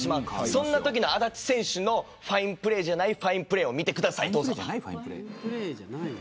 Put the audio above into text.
そんなときの安達選手のファインプレーじゃないファインプレーを見てください。